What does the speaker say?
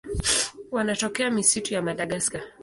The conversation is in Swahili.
Wanatokea misitu ya Madagaska.